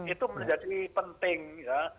itu menjadi penting ya